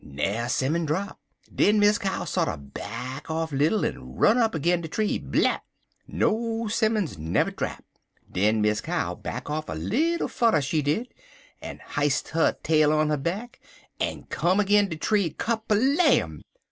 Na'er 'simmon drap. Den Miss Cow sorter back off little, en run agin de tree blip! No 'simmons never drap. Den Miss Cow back off little fudder, she did, en hi'st her tail on 'er back, en come agin de tree, kerblam!